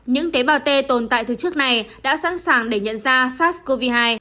những tế bào t tồn tại từ trước này đã sẵn sàng để nhận ra sars cov hai